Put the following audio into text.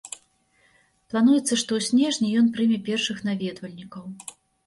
Плануецца, што ў снежні ён прыме першых наведвальнікаў.